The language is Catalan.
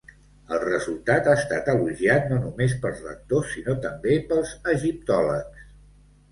El resultat ha estat elogiat no només pels lectors sinó també pels egiptòlegs.